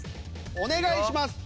お願いします。